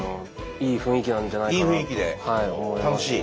いい雰囲気なんじゃないかなと思います。